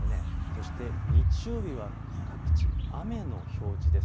そして日曜日は各地雨の表示です。